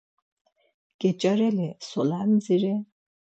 Geç̌areli solen dziri?